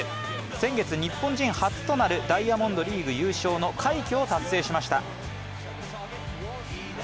先月、日本人初となるダイヤモンドリーグ優勝の快挙を達成しました。